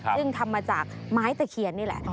ซึ่งทำมาจากไม้ตะเคียนนี่แหละ